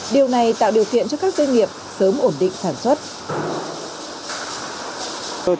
điều này tạo điều kiện cho các doanh nghiệp sớm ổn định sản xuất